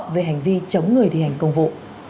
về hành vi chống người thi hành công vụ